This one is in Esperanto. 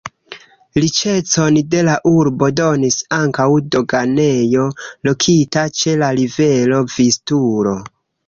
Riĉecon de la urbo donis ankaŭ doganejo lokita ĉe la rivero Vistulo.